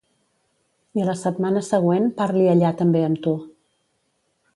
I a la setmana següent parli allà també amb tu.